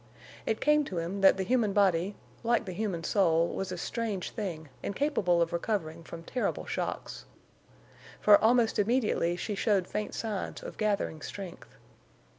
It came to him that the human body, like the human soul, was a strange thing and capable of recovering from terrible shocks. For almost immediately she showed faint signs of gathering strength.